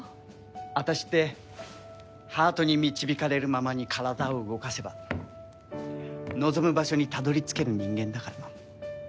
あたしってハートに導かれるままに体を動かせば望む場所にたどりつける人間だから。